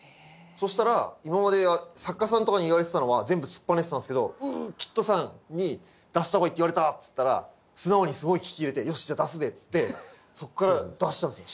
そしたら今まで作家さんとかに言われてたのは全部突っぱねてたんすけどうっキッドさんに出した方がいいって言われたっつったら素直にすごい聞き入れてよしじゃあ出すべっつってそっから出したんですよ。